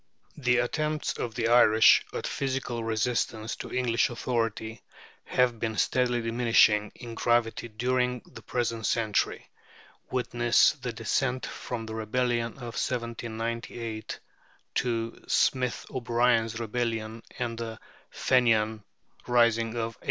The attempts of the Irish at physical resistance to English authority have been steadily diminishing in gravity during the present century witness the descent from the rebellion of 1798 to Smith O'Brien's rebellion and the Fenian rising of 1867.